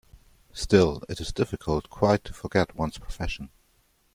Still it is difficult quite to forget one's profession.